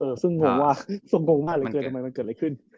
เออซึ่งงงว่าซึ่งงงว่าอะไรขึ้นทำไมมันเกิดอะไรขึ้น